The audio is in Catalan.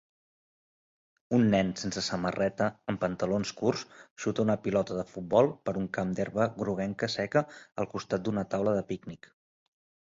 Un nen sense samarreta en pantalons curts xuta una pilota de futbol per un camp d'herba groguenca seca al costat d'una taula de pícnic